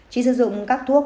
chỉ sử dụng các thuốc